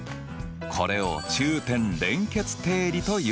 これを中点連結定理というんだ。